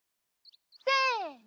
せの！